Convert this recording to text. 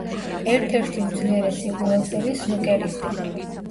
ერთ-ერთი უძლიერესი უელსელი სნუკერისტი.